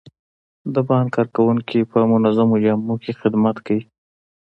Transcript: د بانک کارکوونکي په منظمو جامو کې خدمت کوي.